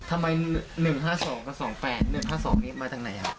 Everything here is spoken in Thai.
ทำไม๑๕๒กับ๒๘๑๑๕๒นี่มาจากไหนครับ